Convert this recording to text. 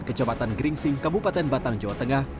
kecepatan geringsing kabupaten batang jawa tengah